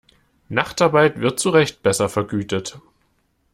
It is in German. Nachtarbeit wird zurecht besser vergütet.